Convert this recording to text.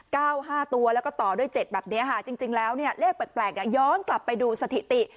ห้าตัวแล้วก็ต่อด้วยเจ็ดแบบเนี้ยค่ะจริงจริงแล้วเนี่ยเลขแปลกแปลกเนี้ยย้อนกลับไปดูสถิติ